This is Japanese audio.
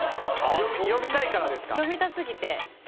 読みた過ぎて。